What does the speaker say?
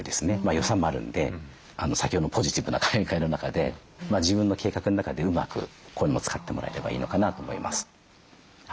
予算もあるんで先ほどのポジティブな買い替えの中で自分の計画の中でうまくこういうのも使ってもらえればいいのかなと思います。